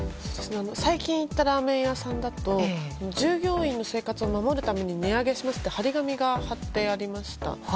最近行ったラーメン屋さんだと従業員の生活を守るために値上げしますと貼り紙が貼ってありました。